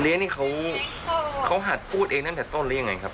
นี่เขาหัดพูดเองตั้งแต่ต้นหรือยังไงครับ